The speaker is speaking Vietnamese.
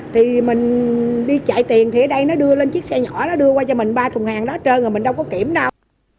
thì mình đi chạy tiền thì ở đây nó đưa lên chiếc xe nhỏ nó đưa qua cho mình ba thùng hàng đó trơn rồi mình đâu có kiểm đâu